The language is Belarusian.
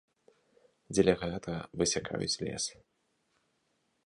Дзеля гэтага высякаюць лес.